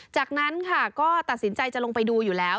จากนั้นค่ะก็ตัดสินใจจะลงไปดูอยู่แล้ว